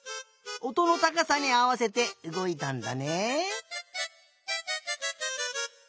おとのたかさにあわせてうごいたんだね。